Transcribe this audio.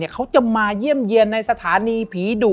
เขาจะมาเยี่ยมเยี่ยมในสถานีผีดุ